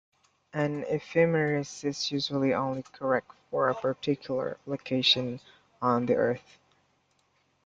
An ephemeris is usually only correct for a particular location on the Earth.